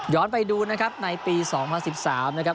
ไปดูนะครับในปี๒๐๑๓นะครับ